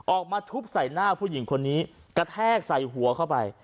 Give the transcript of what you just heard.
ออกมาทุบใส่หน้าผู้หญิงคนนี้กระแทกใส่หัวเข้าไป